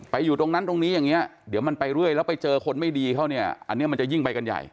อยู่ตรงนั้นตรงนี้อย่างนี้เดี๋ยวมันไปเรื่อยแล้วไปเจอคนไม่ดีเขาเนี่ยอันนี้มันจะยิ่งไปกันใหญ่